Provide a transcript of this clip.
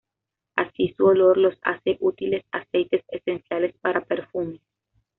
Así, su olor los hace útiles aceites esenciales para perfumes.